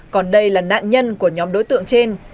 còn đây là nạn nhân của nhóm đối tượng trên